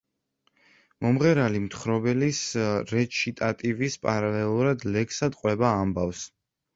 მომღერალი მთხრობელის რეჩიტატივის პარალელურად ლექსად ყვება ამბავს.